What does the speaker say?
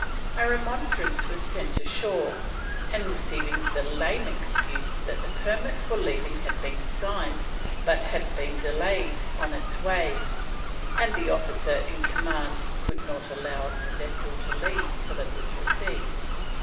A remonstrance was sent ashore, and received the lame excuse that the permit for leaving had been signed but had been delayed on its way, and the officer in command could not allow the vessel to leave till it was received.